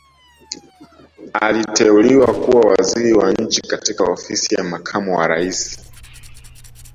aliteuliwa kuwa Waziri wa nchi katika ofisi ya makamu wa raisi